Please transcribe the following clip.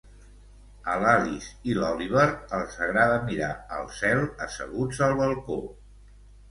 A l'Alice i l'Oliver els agrada mirar al cel asseguts al balcó.